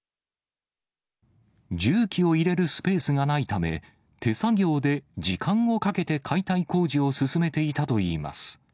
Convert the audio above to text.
重機を入れるスペースがないため、手作業で時間をかけて解体工事を進めていたといいます。